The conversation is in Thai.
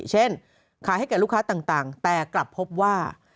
เช่นขายให้แก่ลูกค้าต่างแต่กลับพบว่า